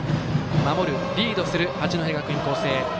守る、リードする八戸学院光星。